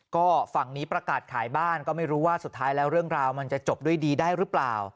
ก็ฝั่งนี้ประกาศขายบ้านก็ไม่รู้ว่าสุดท้ายแล้วเรื่องราวมันจะจบด้วยดีได้หรือเปล่า